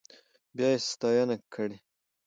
بيا يې ستاينه کړې.